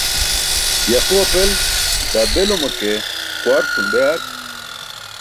Yaxu apel daa beluma ke quwar cum be ar